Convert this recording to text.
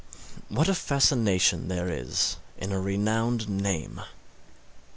What a fascination there is in a renowned name!